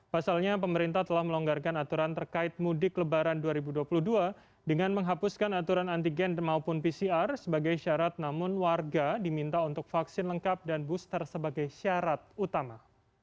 pasalnya pemerintah telah melonggarkan aturan terkait mudik lebaran dua ribu dua puluh dua dengan menghapuskan aturan antigen maupun pcr sebagai syarat namun warga diminta untuk vaksin lengkap dan booster sebagai syarat utama